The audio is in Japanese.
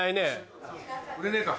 売れねえか。